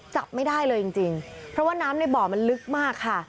จับไม่ได้เลยจริงเพราะว่าน้ำในบ่อมันลึกมากค่ะ